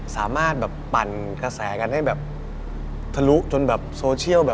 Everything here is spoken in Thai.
สามารถแบบปั่นกระแสกันให้แบบทะลุจนแบบโซเชียลแบบ